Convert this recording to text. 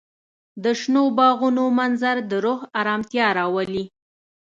د شنو باغونو منظر د روح ارامتیا راولي.